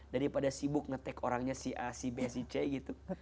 daripada sibuk nge tag orangnya si a si b si c gitu